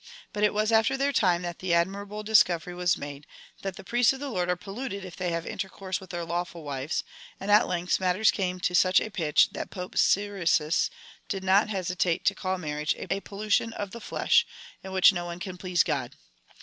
But it was after their time that that admirable discoveiy was made, that the priests of the Lord are polluted if they have intercourse with their lawful wives ; and, at length matters came to such a pitch, that Pope Syricius did not hesitate to call marriage " a pollution of the flesh, in which no one can please God.''